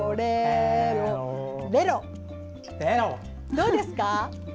どうですか？